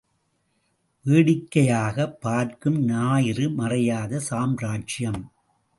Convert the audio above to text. வேடிக்கையா பார்க்கும், ஞாயிறு மறையாத சாம்ராஜ்யம்?